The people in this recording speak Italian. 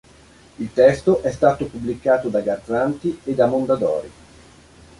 Il testo è stato pubblicato da Garzanti e da Mondadori.